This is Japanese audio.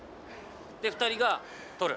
で２人がとる。